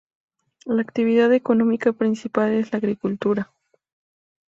La actividad económica principal es la agricultura.